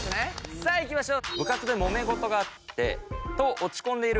さあいきましょう。